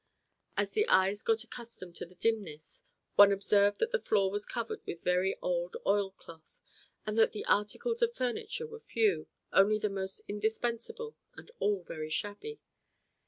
As the eyes got accustomed to the dimness, one observed that the floor was covered with very old oil cloth, and that the articles of furniture were few, only the most indispensable, and all very shabby.